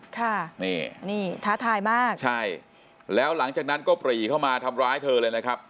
ค่ะนี่นี่ท้าทายมากใช่แล้วหลังจากนั้นก็ปรีเข้ามาทำร้ายเธอเลยนะครับ